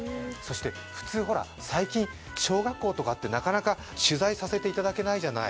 普通、最近、小学校とかってなかなか取材させていただけないじゃない。